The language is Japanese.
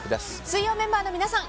水曜メンバーの皆さん